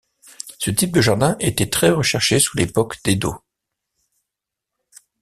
Ce type de jardin était très recherché sous l’époque d’Edo.